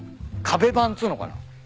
壁板っつうのかな？